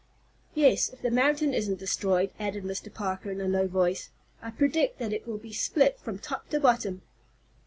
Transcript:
"Yes, if the mountain isn't destroyed," added Mr. Parker, in a low voice. "I predict that it will be split from top to bottom!"